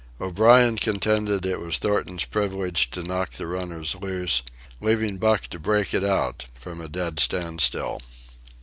O'Brien contended it was Thornton's privilege to knock the runners loose, leaving Buck to "break it out" from a dead standstill.